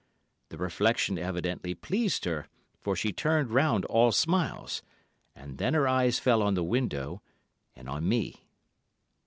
The reflection evidently pleased her, for she turned round all smiles; and then her eyes fell on the window, and on me.